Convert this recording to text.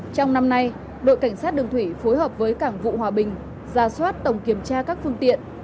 trong năm nay đội cảnh sát đường thủy phối hợp với cảng vụ hòa bình ra soát tổng kiểm tra các phương tiện